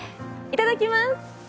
いただきます。